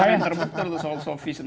salah interpreter atau sofis